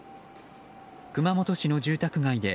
熊本市の住宅街で